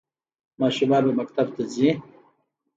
ماشومان به مکتب ته ځي؟